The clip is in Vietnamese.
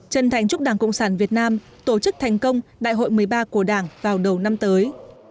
chân thành chúc đảng cộng sản việt nam tổ chức thành công đại hội một mươi ba của đảng vào đầu năm tới